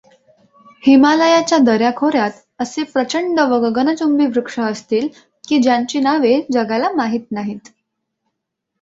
हिमालयाच्या दऱ्याखोऱ्यात असे प्रचंड व गगनचुंबी वृक्ष असतील, की ज्यांची नावे जगाला माहीत नाहीत.